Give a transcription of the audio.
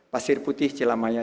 pasir putih celamanya